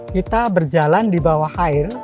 kita berjalan di bawah air